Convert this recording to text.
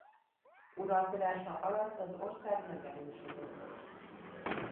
Uralkodása alatt az ország megerősödött.